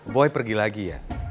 boy pergi lagi ya